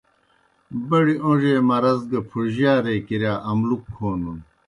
بڑیْ اون٘ڙی اے مرض گہ پُھڙجیارے کِرِیا املُک کھونَن۔